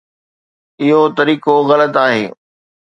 اهو طريقو غلط آهي.